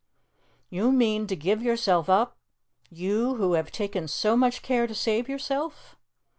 "You mean to give yourself up you, who have taken so much care to save yourself?"